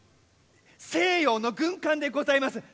西洋の軍艦でございます！